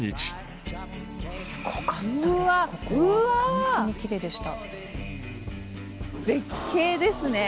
ホントにキレイでした。